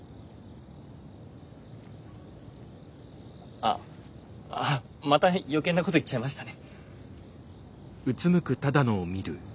あっまた余計なこと言っちゃいましたね。